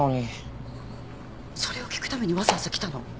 それを聞くためにわざわざ来たの？